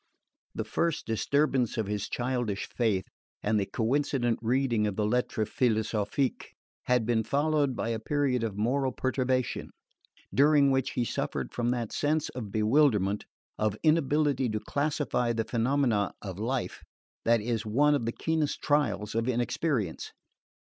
The first disturbance of his childish faith, and the coincident reading of the Lettres Philosophiques, had been followed by a period of moral perturbation, during which he suffered from that sense of bewilderment, of inability to classify the phenomena of life, that is one of the keenest trials of inexperience.